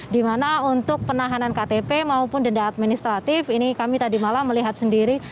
di mana untuk penahanan ktp maupun denda administratif ini kami tadi malam melihat sendiri